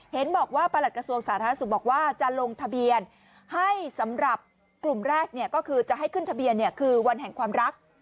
เห็นบอกว่าประหลัดกระทรวงสาธารณสุขบอกว่าจะลงทะเบียนให้สำหรับกลุ่มแรกก็คือจะให้ขึ้นทะเบียนคือวันแห่งความรัก